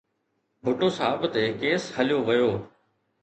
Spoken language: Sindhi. ڀٽو صاحب تي ڪيس هليو ويو.